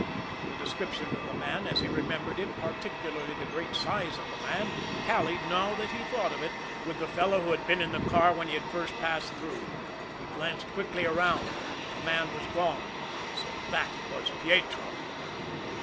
The description of the man, as he remembered it, particularly the great size of the man, tallied, now that he thought of it, with the fellow who had been in the car when he had first passed through. He glanced quickly around the man was gone. So that was Pietro!